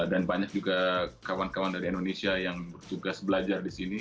dan banyak juga kawan kawan dari indonesia yang bertugas belajar di sini